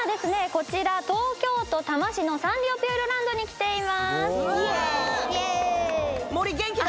こちら東京都多摩市のサンリオピューロランドに来ています。